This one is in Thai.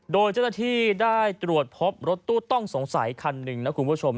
โดยเจ้าหน้าที่ได้ตรวจพบรถตู้ต้องสงสัยคันหนึ่งนะคุณผู้ชม